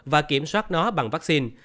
và kiểm soát nó bằng vaccine